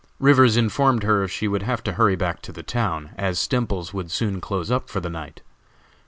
Rivers informed her she would have to hurry back to the town, as Stemples would soon close up for the night.